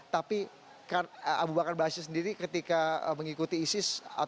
tapi abu bakar ba'asyir sendiri ketika mengikuti isis